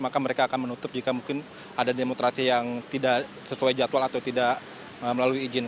maka mereka akan menutup jika mungkin ada demonstrasi yang tidak sesuai jadwal atau tidak melalui izin